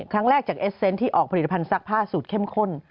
ครั้งแรกจากเอสเซนต์ที่ออกผลิตภัณซักผ้าสูตรเข้มข้น